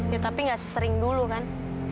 ya tapi nggak sesering dulu kan